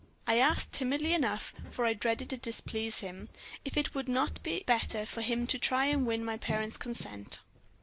I asked, timidly enough, for I dreaded to displease him, if it would not be better for him to try to win my parents' consent.